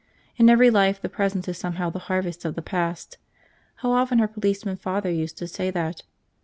In every life the present is somehow the harvest of the past. How often her policeman father used to say that!